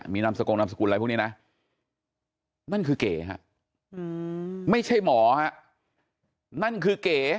มีนามสกงนามสกุลอะไรพวกนี้นะนั่นคือเก๋ฮะไม่ใช่หมอฮะนั่นคือเก๋